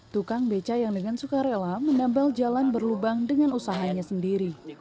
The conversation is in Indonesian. tukang beca yang dengan suka rela menempel jalan berlubang dengan usahanya sendiri